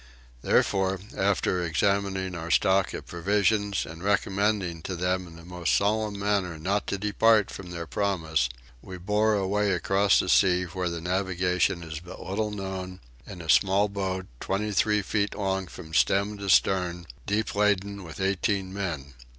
Therefore after examining our stock of provisions and recommending to them in the most solemn manner not to depart from their promise, we bore away across a sea where the navigation is but little known, in a small boat twenty three feet long from stem to stern, deep laden with eighteen men.